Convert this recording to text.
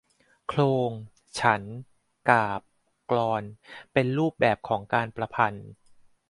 โคลง ฉันท์ กาพย์ กลอน เป็นรูปแบบของการประพันธ์